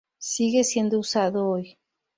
Sigue siendo usado hoy.